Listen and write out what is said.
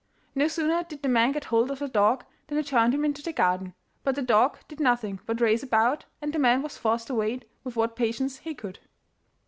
No sooner did the man get hold of the dog than he turned him into the garden, but the dog did nothing but race about, and the man was forced to wait with what patience he could.